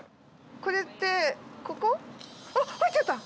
これってここ？